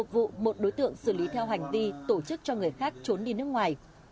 một vụ một đối tượng xử lý theo hành vi tổ chức cho người khác trốn đi nước ngoài